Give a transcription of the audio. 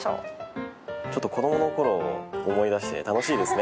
ちょっと子供の頃を思い出して楽しいですね